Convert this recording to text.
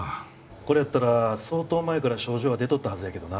これやったら相当前から症状は出とったはずやけどな。